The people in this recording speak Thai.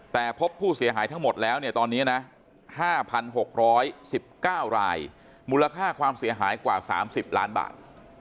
แต่พบผู้เสียหายทั้งหมดแล้วเนี่ยตอนนี้นะ๕๖๑๙รายมูลค่าความเสียหายกว่า๓๐ล้านบาท